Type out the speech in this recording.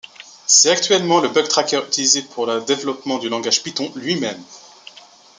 C'est actuellement le bugtracker utilisé pour le développement du langage Python lui-même.